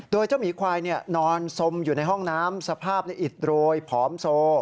โดยเจ้าหมีควายนอนสมอยู่ในห้องน้ำสภาพอิดโรยผอมโซ